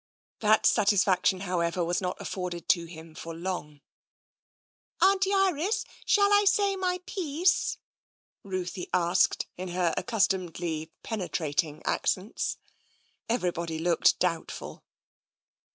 The satisfaction, however, was not afforded to him for long. " Auntie Iris ! Shall I say my piece ?" Ruthie asked in her accustomedly penetrating accents. Everybody looked doubtful.